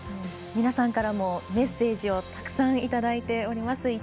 皆さんからもメッセージをたくさんいただいております。